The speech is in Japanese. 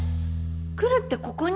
来るってここに？